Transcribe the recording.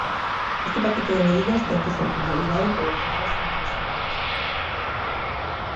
Este paquete de medidas ten que ser convalidado polo Congreso no próximo mes.